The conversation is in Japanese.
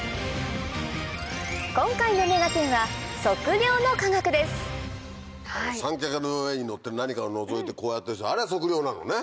今回の『目がテン！』はあの三脚の上に載ってる何かをのぞいてこうやってる人あれ測量なのね。